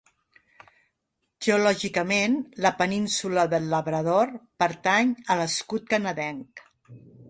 Geològicament, la península del Labrador pertany a l'escut canadenc.